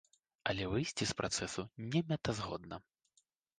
Але выйсці з працэсу немэтазгодна.